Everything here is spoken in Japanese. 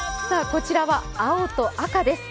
こちらは青と赤です。